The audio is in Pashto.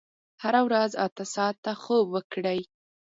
هره ورځ اته ساعته خوب وکړئ.